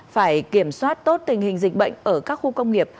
phải kiểm soát tốt tình hình dịch bệnh ở các khu công nghiệp